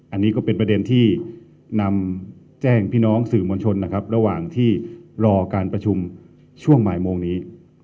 อันนี้ก็เป็นประเด็นที่นำแจ้งพี่น้องสื่อมวลชนนะครับระหว่างที่รอการประชุมช่วงบ่ายโมงนี้